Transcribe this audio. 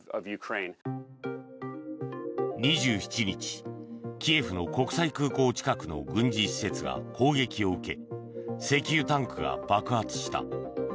２７日、キエフの国際空港近くの軍事施設が攻撃を受け石油タンクが爆発した。